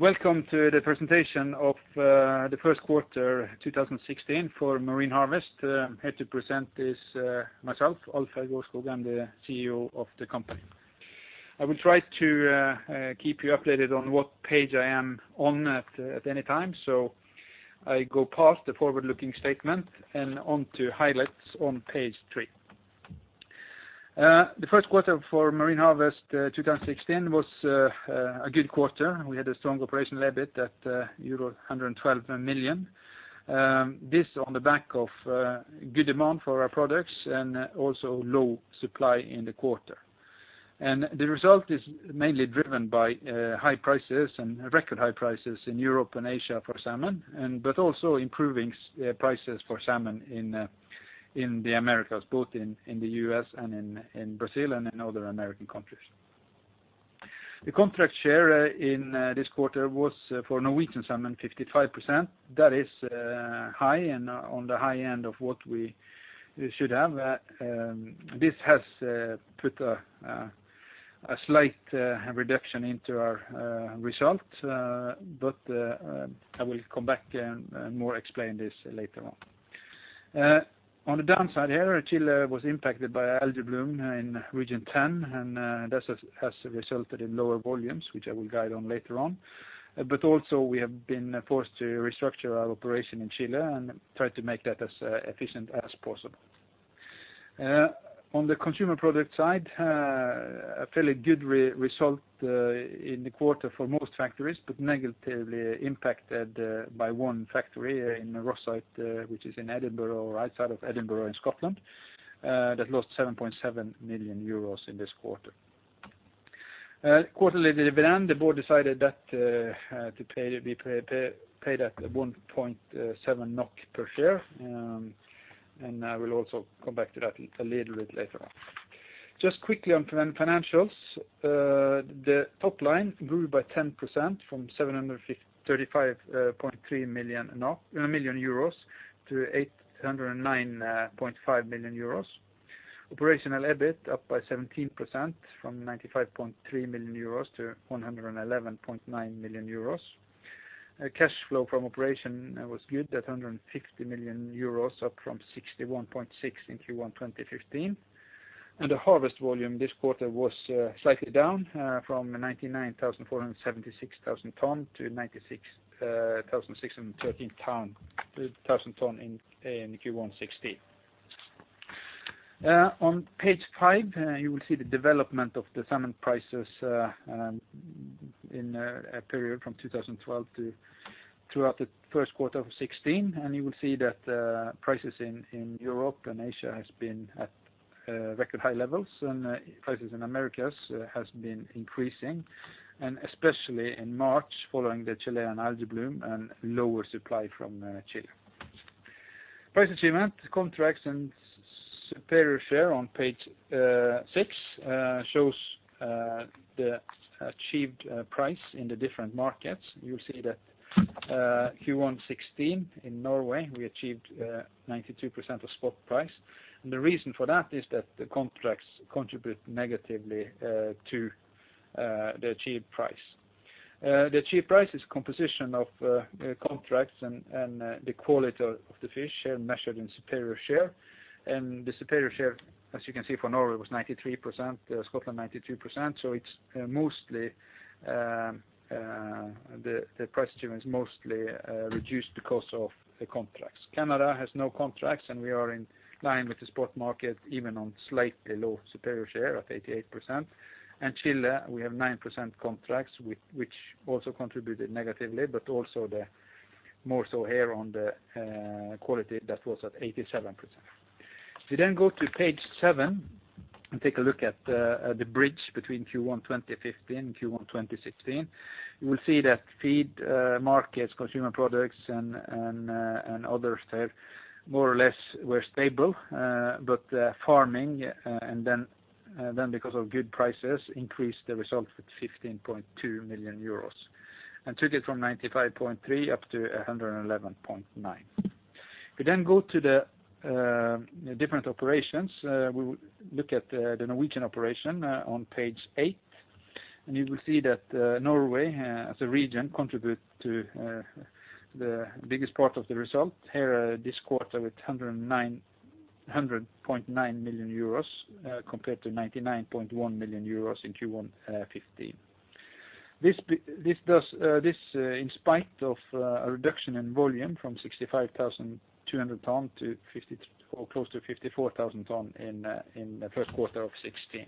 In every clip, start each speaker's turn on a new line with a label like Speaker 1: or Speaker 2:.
Speaker 1: Welcome to the presentation of the Q1 2016 for Marine Harvest. Here to present is myself, Alf-Helge Aarskog. I'm the CEO of the company. I will try to keep you updated on what page I am on at any time. I go past the forward-looking statement and on to highlights on page three. The Q1 for Marine Harvest 2016 was a good quarter. We had a strong operational EBIT at euro 112 million. This on the back of good demand for our products and also low supply in the quarter. The result is mainly driven by high prices and record high prices in Europe and Asia for salmon, but also improving prices for salmon in the Americas, both in the U.S. and in Brazil and in other American countries. The contract share in this quarter was for Norwegian salmon 55%. That is high and on the high end of what we should have. This has put a slight reduction into our result. I will come back and more explain this later on. On the downside here, Chile was impacted by algae bloom in Region X. That has resulted in lower volumes, which I will guide on later on. Also we have been forced to restructure our operation in Chile and try to make that as efficient as possible. On the consumer product side, a fairly good result in the quarter for most factories, but negatively impacted by one factory in Rosyth, which is in Edinburgh, right side of Edinburgh in Scotland, that lost 7.7 million euros in this quarter. Quarterly dividend, the board decided that to pay that 1.7 NOK per share. I will also come back to that a little bit later on. Just quickly on financials. The top line grew by 10% from 735.3 million to 809.5 million euros. Operational EBIT up by 17% from 95.3 million euros to 111.9 million euros. Cash flow from operation was good at 160 million euros, up from 61.6 million in Q1 2015. The harvest volume this quarter was slightly down from 99,476 tons to 96,613 tons in Q1 2016. On page five, you will see the development of the salmon prices in a period from 2012 to throughout the Q1 of 2016. You will see that prices in Europe and Asia has been at record high levels, and prices in Americas has been increasing, and especially in March following the Chilean algae bloom and lower supply from Chile. Price achievement, contracts, and superior share on page 6 shows the achieved price in the different markets. You'll see that Q1 2016 in Norway, we achieved 92% of spot price. The reason for that is that the contracts contribute negatively to the achieved price. The achieved price is composition of contracts and the quality of the fish measured in superior share. The superior share, as you can see for Norway, was 93%, Scotland 92%. The price achievement is mostly reduced because of the contracts. Canada has no contracts, and we are in line with the spot market, even on slightly low superior share at 88%. Chile, we have 9% contracts, which also contributed negatively, but also the more so here on the quality that was at 87%. If you then go to page seven and take a look at the bridge between Q1 2015, Q1 2016, you will see that feed markets, consumer products, and others have more or less were stable. Farming, and then because of good prices, increased the result with 15.2 million euros and took it from 95.3 up to 111.9. If we then go to the different operations, we look at the Norwegian operation on page 8, and you will see that Norway as a region contribute to the biggest part of the result here this quarter with 100.9 million euros compared to 99.1 million euros in Q1 2015. This in spite of a reduction in volume from 65,200 tons to close to 54,000 tons in the Q1 of 2016.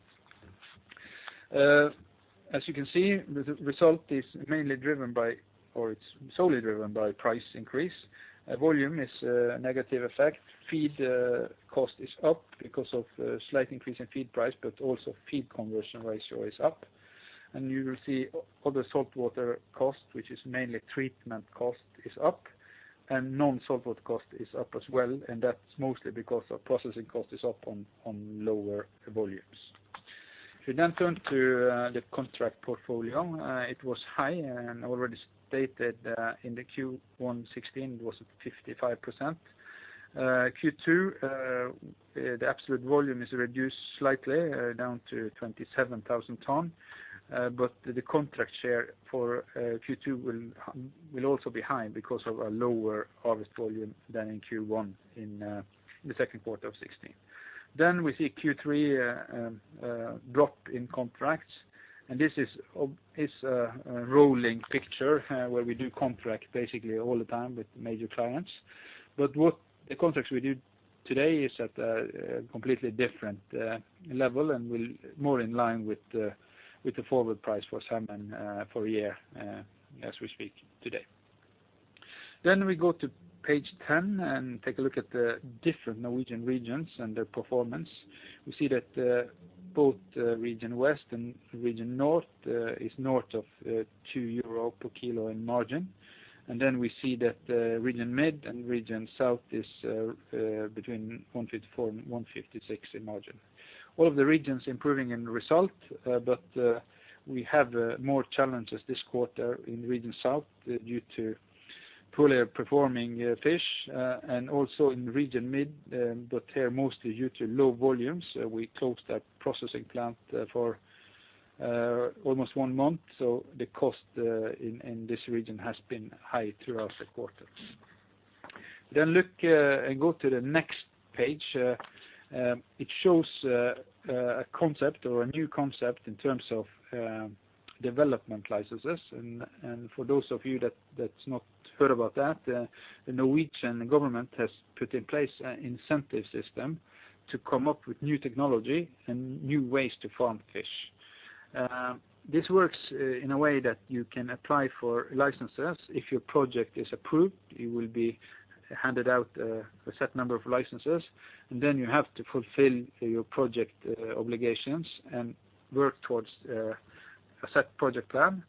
Speaker 1: As you can see, the result is mainly driven by, or it's solely driven by price increase. Volume is a negative effect. Feed cost is up because of slight increase in feed price, but also feed conversion ratio is up. You will see other saltwater cost, which is mainly treatment cost, is up, and non-saltwater cost is up as well, and that's mostly because of processing cost is up on lower volumes. If we then turn to the contract portfolio, it was high and already stated in the Q1 2016 was at 55%. Q2, the absolute volume is reduced slightly down to 27,000 tonnes, but the contract share for Q2 will also be high because of a lower harvest volume than in Q1 in the second quarter of 2016. We see Q3 a drop in contracts, and this is a rolling picture where we do contracts basically all the time with major clients. What the contracts we do today is at a completely different level and more in line with the forward price for salmon for a year as we speak today. We go to page 10 and take a look at the different Norwegian regions and their performance. We see that both the Region West and Region North is north of 2 euro per kilo in margin. We see that the Region Mid and Region South is between 1.4 and 1.56 in margin. All the regions improving in result, but we have more challenges this quarter in Region South due to poorly performing fish and also in Region Mid, but here mostly due to low volumes. We closed that processing plant for almost 1 month. The cost in this region has been high throughout the quarters. Look and go to the next page. It shows a concept or a new concept in terms of development licenses. For those of you that's not heard about that, the Norwegian government has put in place an incentive system to come up with new technology and new ways to farm fish. This works in a way that you can apply for licenses. If your project is approved, you will be handed out a set number of licenses, and then you have to fulfill your project obligations and work towards a set project plan.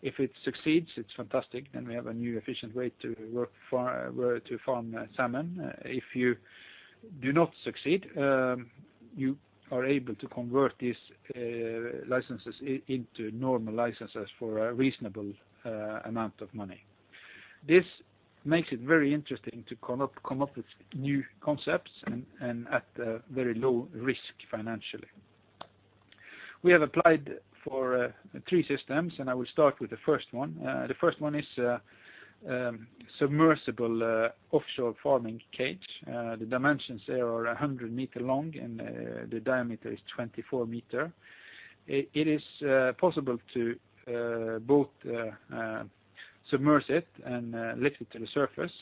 Speaker 1: If it succeeds, it's fantastic, then we have a new efficient way to farm salmon. If you do not succeed, you are able to convert these licenses into normal licenses for a reasonable amount of money. This makes it very interesting to come up with new concepts and at a very low risk financially. We have applied for three systems, and I will start with the first one. The first one is a submersible offshore farming cage. The dimensions there are 100 meter long, the diameter is 24 meter. It is possible to both submerge it and lift it to the surface.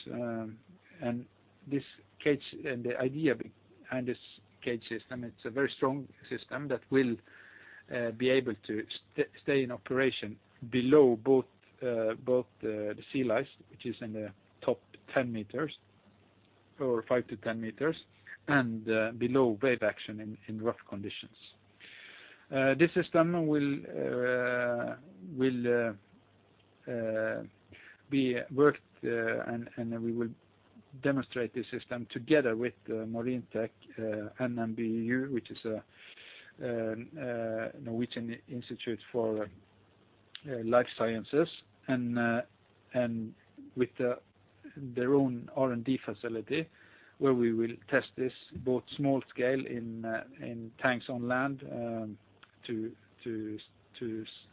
Speaker 1: The idea behind this cage system, it's a very strong system that will be able to stay in operation below both the sea lice, which is in the top 10 meters or 5-10 meters, and below wave action in rough conditions. This system will be worked, we will demonstrate this system together with the MARINTEK NMBU, which is a Norwegian institute for life sciences, with their own R&D facility where we will test this both small scale in tanks on land to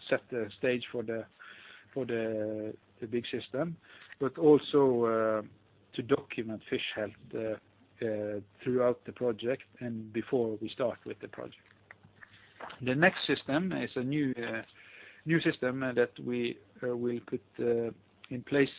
Speaker 1: set the stage for the big system, also to document fish health throughout the project and before we start with the project. The next system is a new system that we will put in place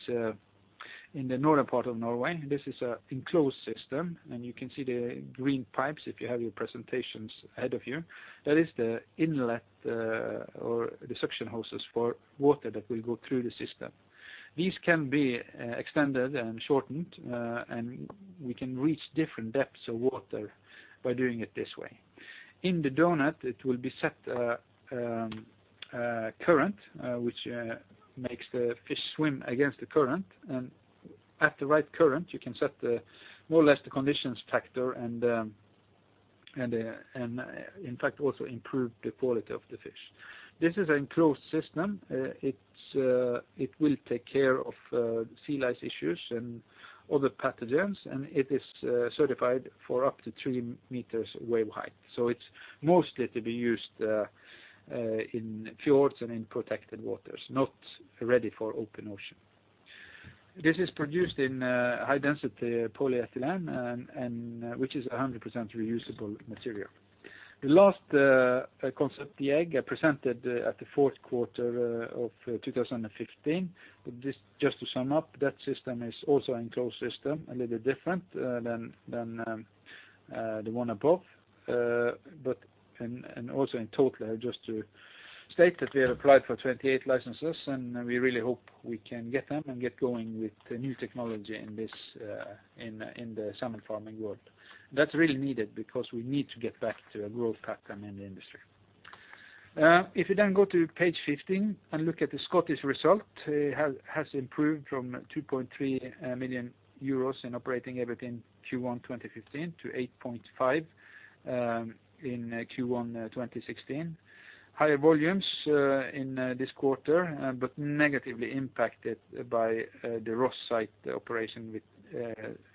Speaker 1: in the northern part of Norway. This is an enclosed system, and you can see the green pipes if you have your presentations ahead of you. That is the inlet or the suction hoses for water that will go through the system. These can be extended and shortened, and we can reach different depths of water by doing it this way. In the doughnut, it will be set a current which makes the fish swim against the current. At the right current, you can set more or less the condition factor and, in fact, also improve the quality of the fish. This is an enclosed system. It will take care of sea lice issues and other pathogens, and it is certified for up to 3 m wave height. It's mostly to be used in fjords and in protected waters, not ready for open ocean. This is produced in high-density polyethylene, which is 100% reusable material. The last concept, the egg, I presented at the fourth quarter of 2015. Just to sum up, that system is also enclosed system, a little different than the one above. Also in total, just to state that we applied for 28 licenses, and we really hope we can get them and get going with the new technology in the salmon farming world. That's really needed because we need to get back to a growth pattern in the industry. If you go to page 15 and look at the Scottish result, it has improved from 2.3 million euros in operating EBITDA in Q1 2015 to 8.5 million in Q1 2016. Higher volumes in this quarter, negatively impacted by the Rosyth operation with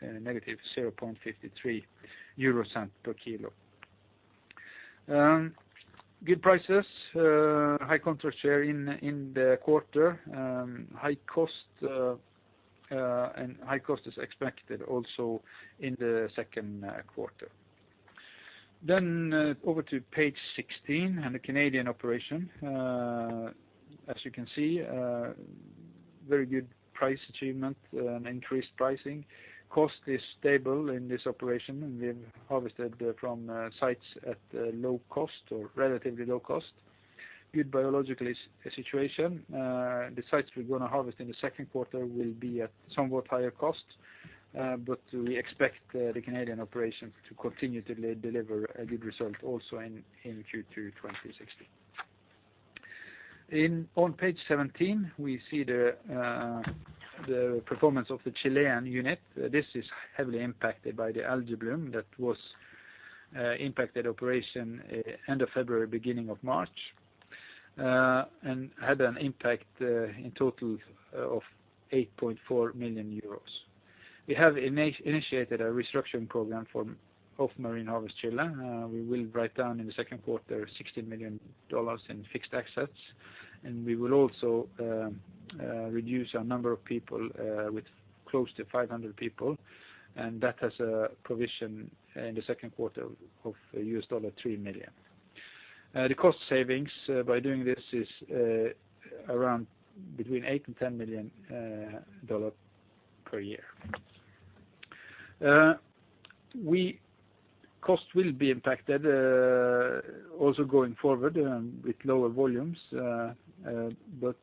Speaker 1: negative 0.53 per kilo. Good prices, high contract share in the quarter, high cost, high cost is expected also in the second quarter. Over to page 16 and the Canadian operation. As you can see, very good price achievement and increased pricing. Cost is stable in this operation, we've harvested from sites at low cost or relatively low cost. Good biological situation. The sites we're going to harvest in the second quarter will be at somewhat higher cost, we expect the Canadian operation to continually deliver a good result also in Q3 2016. On page 17, we see the performance of the Chilean unit. This is heavily impacted by the algae bloom that impacted operation end of February, beginning of March, and had an impact in total of 8.4 million euros. We have initiated a restructuring program for Marine Harvest Chile. We will write down in the second quarter $60 million in fixed assets, and we will also reduce our number of people with close to 500 people, and that has a provision in the second quarter of $3 million. The cost savings by doing this is around between $8 million and $10 million per year. Cost will be impacted, also going forward with lower volumes, but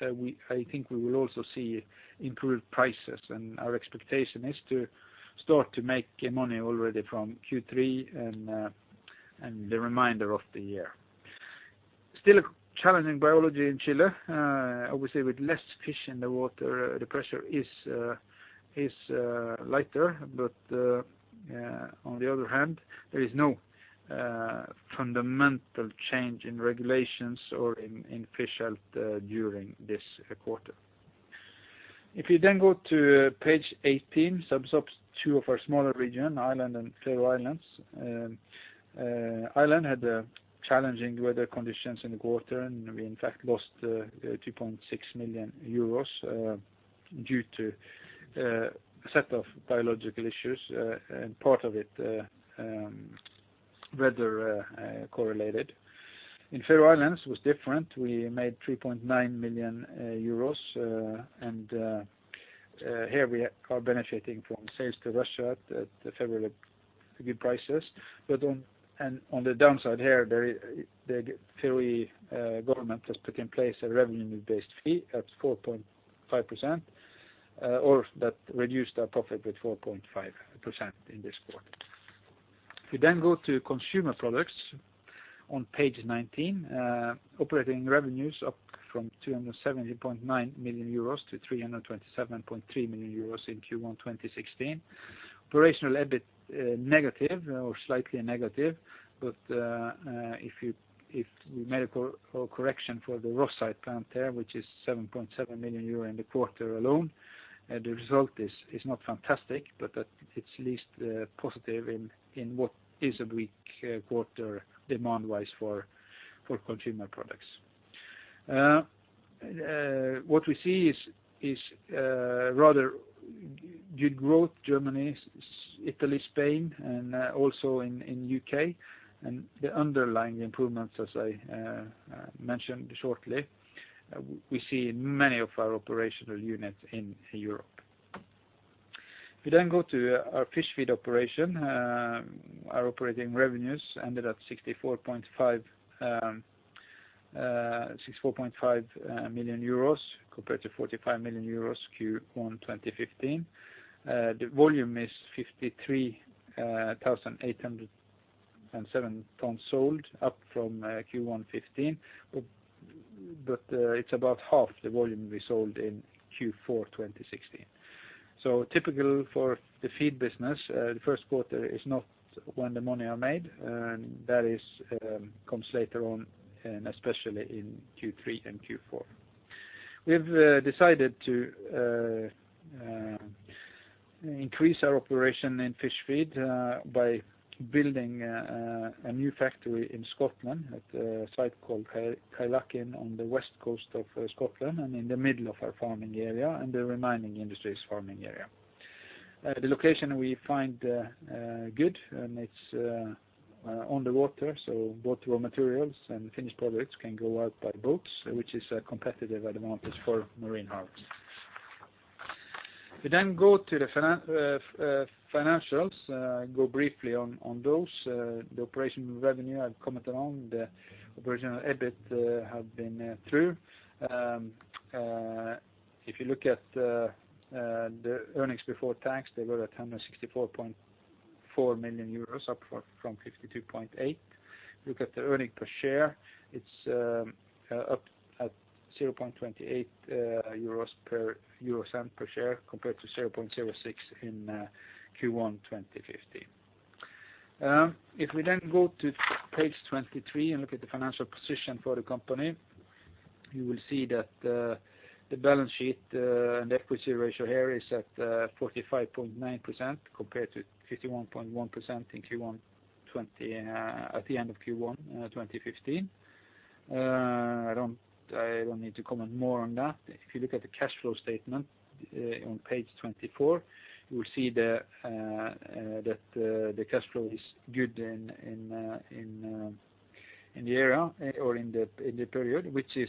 Speaker 1: I think we will also see improved prices and our expectation is to start to make money already from Q3 and the remainder of the year. Still a challenging biology in Chile. Obviously, with less fish in the water, the pressure is lighter, but on the other hand, there is no fundamental change in regulations or in fish health during this quarter. If you go to page 18, sums up two of our smaller regions, Ireland and Faroe Islands. Ireland had challenging weather conditions in the quarter, we in fact lost 3.6 million euros due to a set of biological issues and part of it weather-correlated. In Faroe Islands, it was different. We made 3.9 million euros, here we are benefiting from sales to Russia at very good prices. On the downside here, the Faroe government has put in place a revenue-based fee that's 4.5%, or that reduced our profit by 4.5% in this quarter. We go to consumer products on page 19. Operating revenues up from 270.9 million euros to 327.3 million euros in Q1 2016. Operational EBIT negative or slightly negative. If we made a correction for the Råssøy plant there, which is 7.7 million euro in the quarter alone, the result is not fantastic, but it is at least positive in what is a weak quarter demand-wise for consumer products. What we see is rather good growth, Germany, Italy, Spain, and also in U.K. The underlying improvements, as I mentioned shortly, we see in many of our operational units in Europe. We go to our fish feed operation. Our operating revenues ended at 64.5 million euros compared to 45 million euros Q1 2015. The volume is 53,807 tonnes sold, up from Q1-15, but it is about half the volume we sold in Q4 2016. Typical for the feed business, the Q1 is not when the money are made. That comes later on, especially in Q3 and Q4. We've decided to increase our operation in fish feed by building a new factory in Scotland at a site called Kyleakin on the west coast of Scotland and in the middle of our farming area and the remaining industries farming area. The location we find good. It's on the water, both raw materials and finished products can go out by boats, which is a competitive advantage for Marine Harvest. We go to the financials. Go briefly on those. The operational revenue I've commented on. The operational EBIT have been two. If you look at the earnings before tax, they were at 164.4 million euros, up from 52.8 million. Look at the earning per share, it's up at 0.28 euros per share compared to 0.06 in Q1 2015. If we go to page 23 and look at the financial position for the company. You will see that the balance sheet and equity ratio here is at 45.9% compared to 51.1% at the end of Q1 2015. I don't need to comment more on that. If you look at the cash flow statement on page 24, you will see that the cash flow is good in the period, which is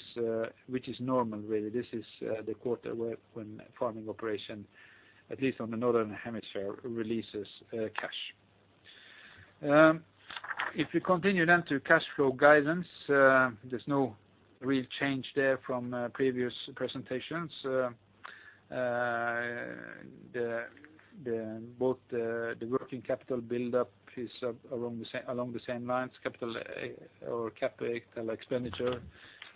Speaker 1: normal, really. This is the quarter when farming operation, at least on the northern hemisphere, releases cash. If we continue to cash flow guidance, there's no real change there from previous presentations. Both the working capital buildup is along the same lines. Capital expenditure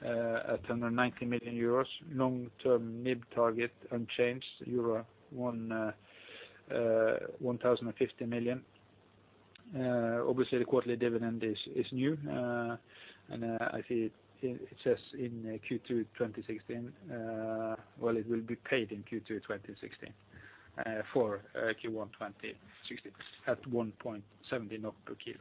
Speaker 1: at 190 million euros. Long-term mid-target unchanged. Euro 1,050 million. The quarterly dividend is new. I see it says in Q2 2016. Well, it will be paid in Q2 2016 for Q1 2016 at 1.70 per kilo.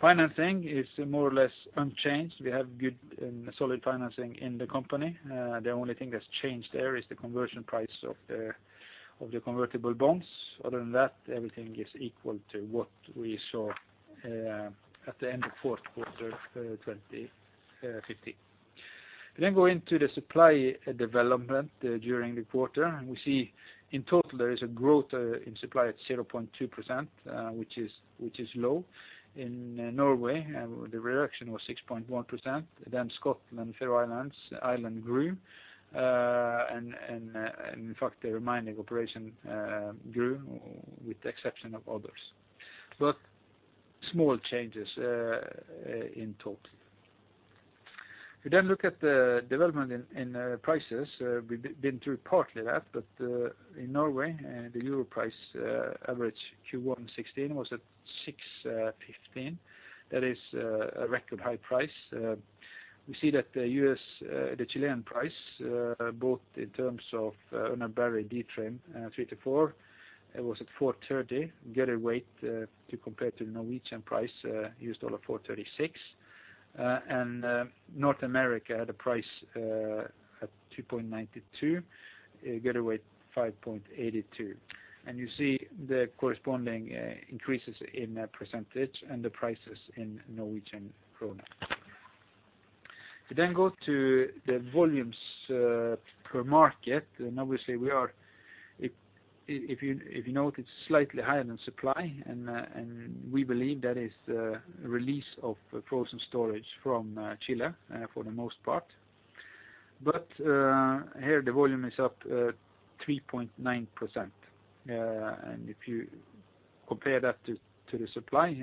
Speaker 1: Financing is more or less unchanged. We have good and solid financing in the company. The only thing that's changed there is the conversion price of the convertible bonds. Other than that, everything is equal to what we saw at the end of the fourth quarter 2015. We go into the supply development during the quarter. We see in total there is a growth in supply at 0.2%, which is low. In Norway, the reduction was 6.1%. Scotland, Faroe Islands, Ireland grew. In fact, the remaining operation grew with the exception of others. Small changes in total. We look at the development in prices. We've been through partly that, but in Norway, the euro price average Q1 2016 was at 6.15. That is a record high price. We see that the Chilean price, both in terms of on a Miami D trim 3-4, it was at $4.30. gutted weight to compare to the Norwegian price, $4.36. North America, the price at $2.92, gutted weight $5.82. You see the corresponding increases in % and the prices in NOK. We go to the volumes per market. Obviously, if you notice, slightly higher than supply, we believe that is a release of frozen storage from Chile for the most part. Here the volume is up 3.9%. If you compare that to the supply,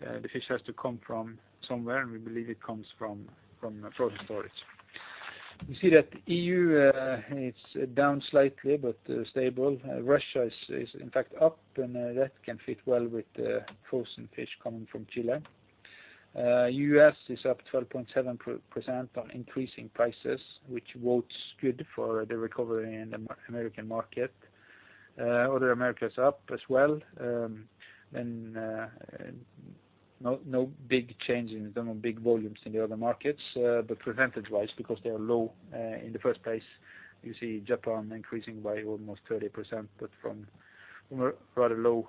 Speaker 1: the fish has to come from somewhere, we believe it comes from frozen storage. You see that EU it's down slightly but stable. Russia is in fact up, that can fit well with the frozen fish coming from Chile. U.S. is up 12.7% on increasing prices, which bodes good for the recovery in the American market. Other Americas up as well, no big changes and no big volumes in the other markets. Percentage-wise, because they are low in the first place. You see Japan increasing by almost 30%, but from rather low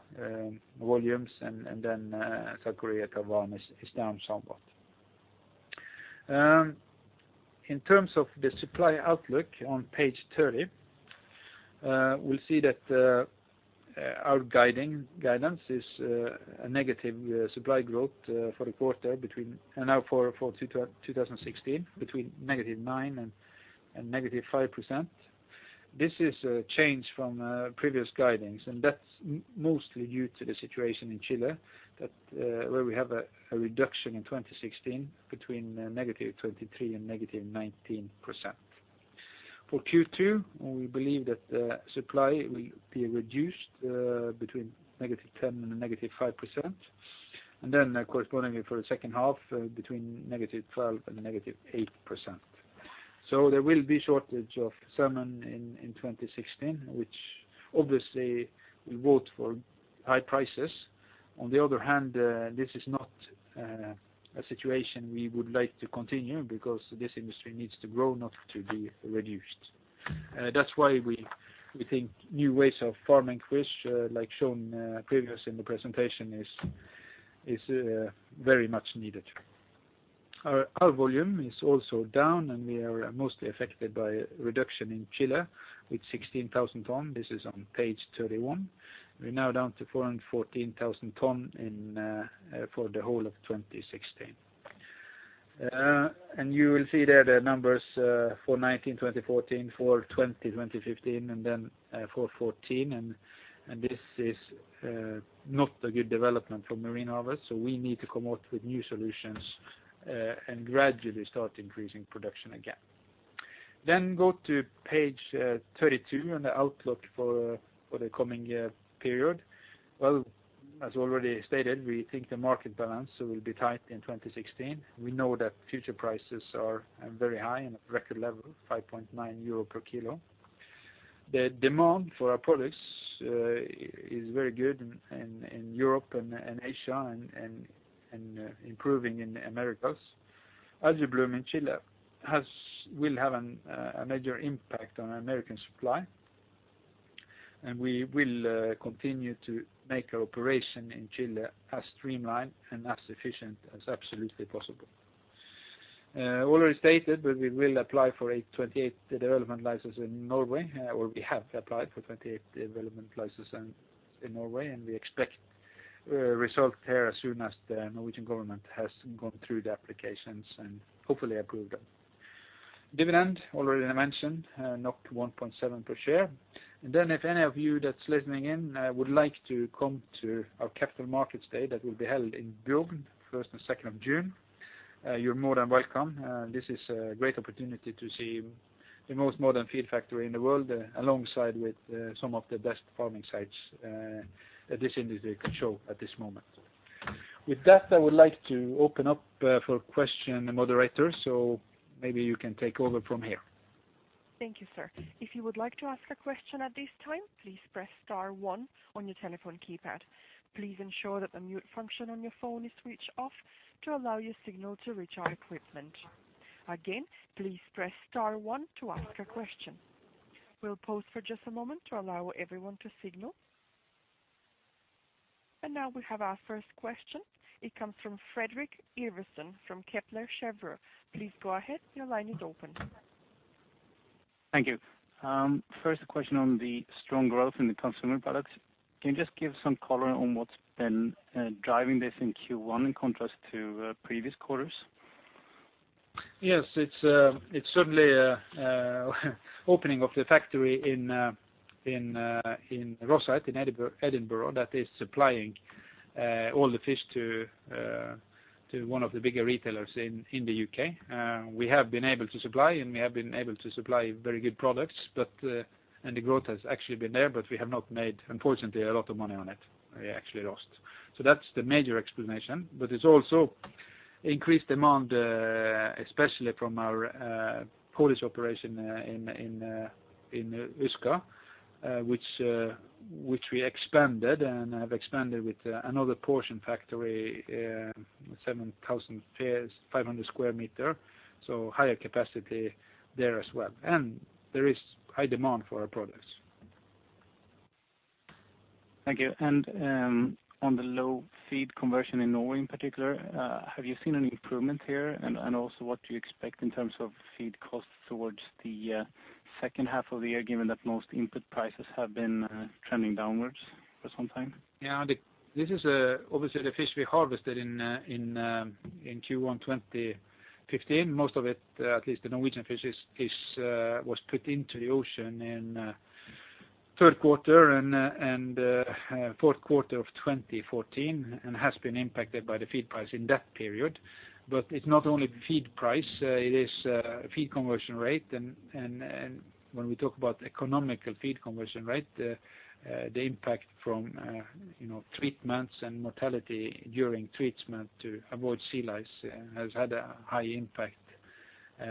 Speaker 1: volumes. South Korea, Taiwan is down somewhat. In terms of the supply outlook on page 30, we'll see that our guidance is a negative supply growth for 2016 between -9% and -5%. This is a change from previous guidings, and that's mostly due to the situation in Chile where we have a reduction in 2016 between -23% and -19%. For Q2, we believe that the supply will be reduced between -10% and -5%. Then correspondingly for the second half, between negative 12% and negative 8%. There will be shortage of salmon in 2016, which obviously will vote for high prices. On the other hand, this is not a situation we would like to continue because this industry needs to grow, not to be reduced. That's why we think new ways of farming fish, like shown previously in the presentation, is very much needed. Our volume is also down, and we are mostly affected by a reduction in Chile with 16,000 tons. This is on page 31. We're now down to 414,000 tons for the whole of 2016. You will see there the numbers 419 in 2014, 420 in 2015, then 414. This is not a good development for Marine Harvest. We need to come out with new solutions and gradually start increasing production again. Go to page 32 on the outlook for the coming year period. Well, as already stated, we think the market balance will be tight in 2016. We know that future prices are very high and at record level of 5.9 euro per kilo. The demand for our products is very good in Europe and Asia and improving in the Americas. Algae bloom in Chile will have a major impact on American supply. We will continue to make our operation in Chile as streamlined and as efficient as absolutely possible. Already stated that we will apply for 28 development licenses in Norway, or we have applied for 28 development licenses in Norway, and we expect results there as soon as the Norwegian government has gone through the applications and hopefully approve them. Dividend, already mentioned 1.7 per share. If any of you that's listening in would like to come to our capital markets day that will be held in Bergen first and second of June, you're more than welcome. This is a great opportunity to see the most modern feed factory in the world alongside some of the best farming sites that this industry can show at this moment. With that, I would like to open up for questions, moderator. Maybe you can take over from here.
Speaker 2: Thank you, sir. Now we have our first question. It comes from Fredrik Ivarsson from Kepler Cheuvreux. Please go ahead. Your line is open.
Speaker 3: Thank you. First question on the strong growth in the consumer products. Can you just give some color on what's been driving this in Q1 in contrast to previous quarters?
Speaker 1: Yes, it's certainly opening of the factory in Rosyth, in Edinburgh, that is supplying all the fish to one of the bigger retailers in the U.K. We have been able to supply, and we have been able to supply very good products, and the growth has actually been there, but we have not made, unfortunately, a lot of money on it. We actually lost. That's the major explanation, but it's also increased demand, especially from our Polish operation in Ustka, which we expanded and have expanded with another portion factory, 7,500 sq m. Higher capacity there as well. There is high demand for our products.
Speaker 3: Thank you. On the low feed conversion in Norway in particular, have you seen any improvement here? Also what do you expect in terms of feed costs towards the second half of the year, given that most input prices have been trending downwards for some time?
Speaker 1: Yeah. Obviously, the fish we harvested in Q1 2015, most of it, at least the Norwegian fish, was put into the ocean in 3rd quarter and 4th quarter of 2014 and has been impacted by the feed price in that period. It's not only the feed price, it is feed conversion ratio. When we talk about economical feed conversion ratio, the impact from treatments and mortality during treatment to avoid sea lice has had a high impact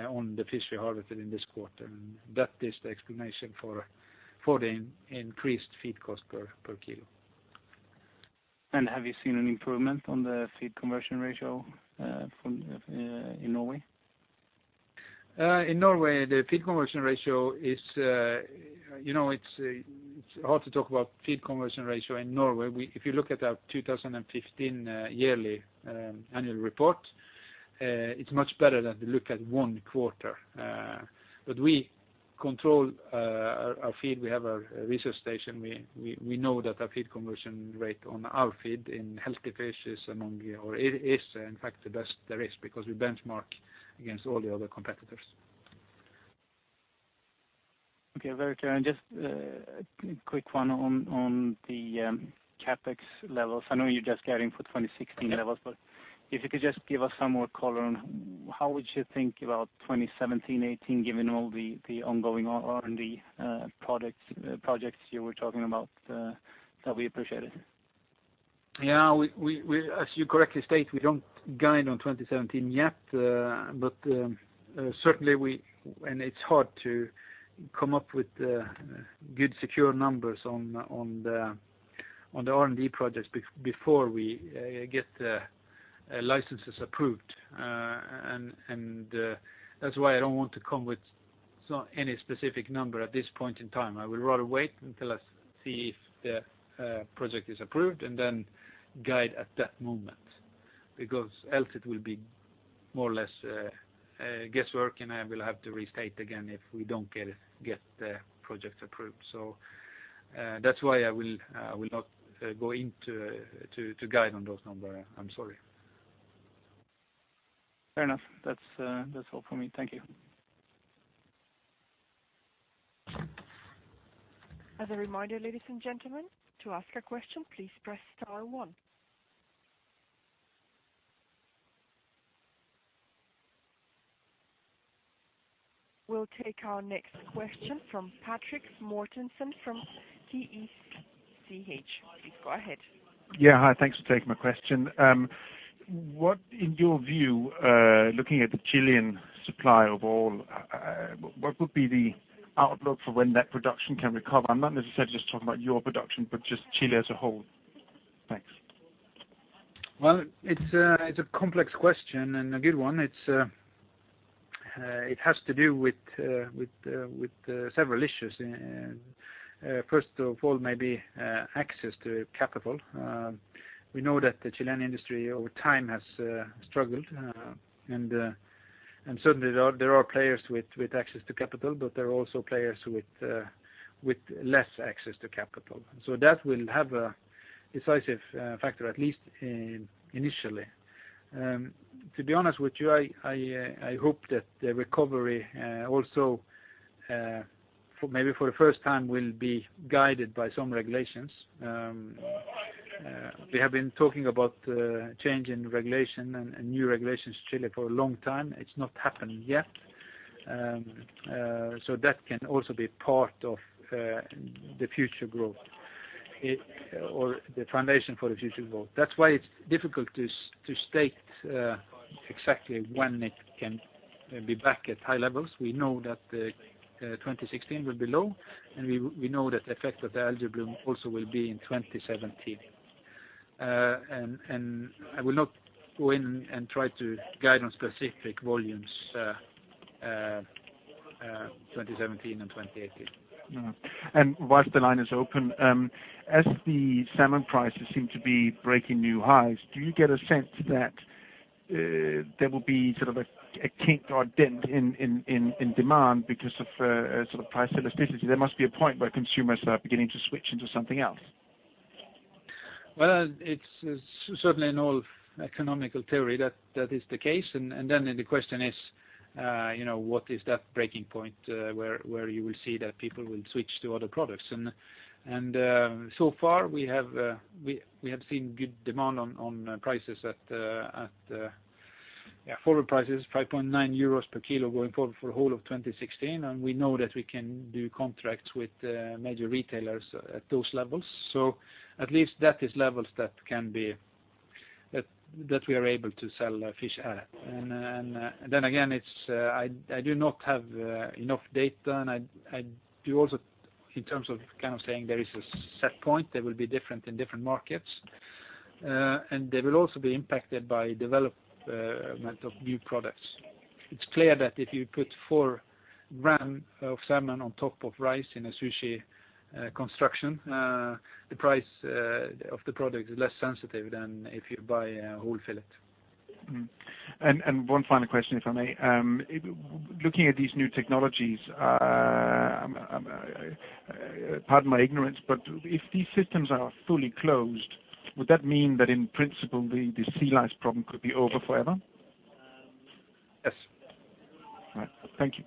Speaker 1: on the fish we harvested in this quarter. That is the explanation for the increased feed cost per kilo.
Speaker 3: Have you seen an improvement on the feed conversion ratio in Norway?
Speaker 1: In Norway, the feed conversion ratio. It's hard to talk about feed conversion ratio in Norway. If you look at our 2015 yearly annual report, it's much better than we look at one quarter. We control our feed. We have our research station. We know that our feed conversion ratio on our feed in healthy fishes is, in fact, the best there is because we benchmark against all the other competitors.
Speaker 3: Okay. Very true. Just a quick one on the CapEx levels. I know you're just guiding for 2016 levels, but if you could just give us some more color on how would you think about 2017, 2018, given all the ongoing R&D projects you were talking about that we appreciated.
Speaker 1: Yeah. As you correctly state, we don't guide on 2017 yet. Certainly, it's hard to come up with good, secure numbers on the R&D projects before we get the licenses approved. That's why I don't want to come with any specific number at this point in time. I will rather wait until I see if the project is approved and then guide at that moment, because else it will be more or less guesswork, and I will have to restate again if we don't get the project approved. That's why I will not go into guide on those numbers. I'm sorry.
Speaker 3: Fair enough. That's all from me. Thank you.
Speaker 2: As a reminder, ladies and gentlemen, to ask a question, please press star one. We'll take our next question from Patrick Mortensen from Kepler Cheuvreux. Please go ahead.
Speaker 4: Yeah. Hi, thanks for taking my question. What, in your view, looking at the Chilean supply of all, what would be the outlook for when that production can recover? I'm not necessarily just talking about your production, but just Chile as a whole. Thanks.
Speaker 1: It's a complex question and a good one. It has to do with several issues. First of all, maybe access to capital. We know that the Chilean industry over time has struggled, and certainly there are players with access to capital, but there are also players with less access to capital. That will have a decisive factor, at least initially. To be honest with you, I hope that the recovery also, maybe for the first time, will be guided by some regulations. We have been talking about the change in regulation and new regulations in Chile for a long time. It's not happened yet. That can also be part of the future growth or the foundation for the future growth. That's why it's difficult to state exactly when it can be back at high levels. We know that 2016 will be low, and we know that the effect of the algae bloom also will be in 2017. I will not go in and try to guide on specific volumes 2017 and 2018.
Speaker 4: While the line is open, as the salmon prices seem to be breaking new highs, do you get a sense that there will be sort of a kink or a dent in demand because of sort of price elasticity? There must be a point where consumers are beginning to switch into something else.
Speaker 1: It's certainly in all economic theory that is the case. Then the question is, what is that breaking point where you will see that people will switch to other products? So far, we have seen good demand on forward prices 5.9 euros per kilo going forward for the whole of 2016. We know that we can do contracts with major retailers at those levels. At least that is levels that we are able to sell our fish at. Then again, I do not have enough data, and I do also in terms of kind of saying there is a set point that will be different in different markets, and they will also be impacted by development of new products. It's clear that if you put 4 grams of salmon on top of rice in a sushi construction, the price of the product is less sensitive than if you buy a whole fillet.
Speaker 4: One final question, if I may. Looking at these new technologies, pardon my ignorance, if these systems are fully closed, would that mean that in principle, the sea lice problem could be over forever?
Speaker 1: Yes.
Speaker 4: All right. Thank you.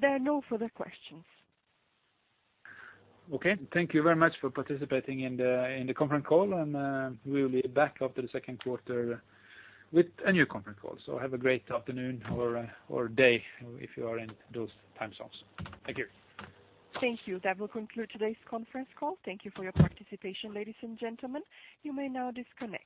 Speaker 2: There are no further questions.
Speaker 1: Okay. Thank you very much for participating in the conference call, and we'll be back after the second quarter with a new conference call. Have a great afternoon or day if you are in those time zones. Thank you.
Speaker 2: Thank you. That will conclude today's conference call. Thank you for your participation, ladies and gentlemen. You may now disconnect.